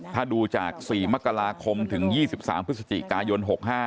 ถ้าดูจาก๔มกราคมถึง๒๓พฤศจิกายน๖๕